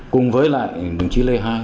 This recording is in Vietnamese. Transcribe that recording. cùng với lại đồng chí lê hai